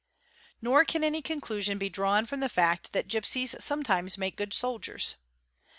Nor can any conclusion be drawn ' from the fact that gipsies sometimes make good soldiers.